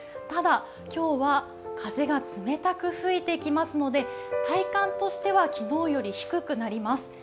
ただ、今日は風が冷たく吹いてきますので、体感としては昨日より低くなります。